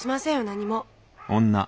何も。